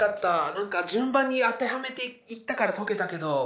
何か順番に当てはめていったから解けたけど。